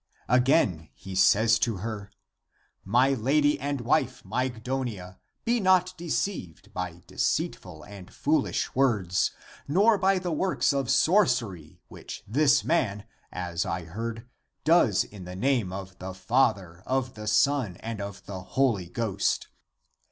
Again he says to her, " My lady and wife Mygdonia, be not de ceived by deceitful and foolish words, nor by the works of sorcery which this man, as I heard, does in the name of the Father, of the Son, and of the Holy Ghost.